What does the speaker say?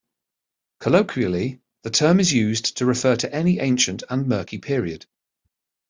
Colloquially, the term is used to refer to any ancient and murky period.